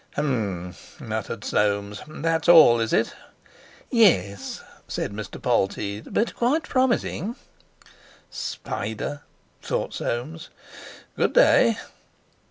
"H'm!" muttered Soames, "that's all, is it?" "Yes," said Mr. Polteed, "but quite promising." "Spider!" thought Soames. "Good day!"